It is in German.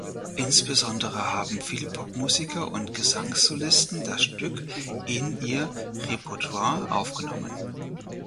Insbesondere haben viele Popmusiker und Gesangssolisten das Stück in ihr Repertoire aufgenommen.